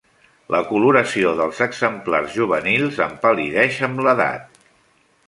La coloració dels exemplars juvenils empal·lideix amb l'edat.